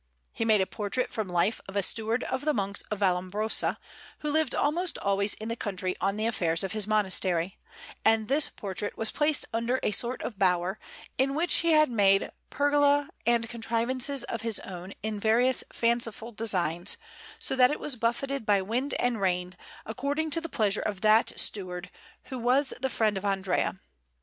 He made a portrait from life of a steward of the Monks of Vallombrosa, who lived almost always in the country on the affairs of his monastery; and this portrait was placed under a sort of bower, in which he had made pergole and contrivances of his own in various fanciful designs, so that it was buffeted by wind and rain, according to the pleasure of that steward, who was the friend of Andrea.